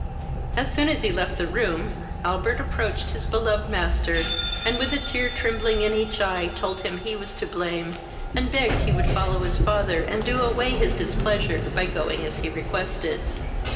As soon as he left the room, Albert approached his beloved master, and, with a tear trembling in each eye, told him he was to blame, and begged he would follow his father, and do away his displeasure, by going as he requested.